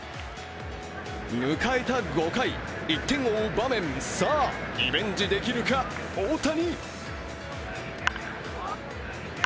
迎えた５回、１点を追う場面、さあ、リベンジできるか大谷。